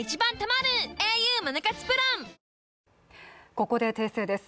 ここで訂正です。